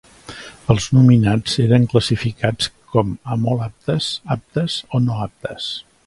Els nominats eren classificats com a "molt aptes", "aptes" o "no aptes".